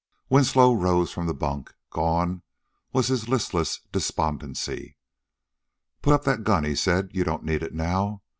Winslow rose from the bunk. Gone was his listless despondency. "Put up that gun," he said: "you don't need it now.